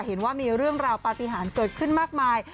เห็นว่ามีเรื่องราวปฏิหารเกิดขึ้นมากมาย